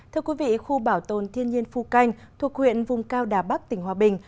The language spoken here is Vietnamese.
thưa quý vị khu bảo tồn thiên nhiên phu canh thuộc huyện vùng cao đà bắc tỉnh hòa bình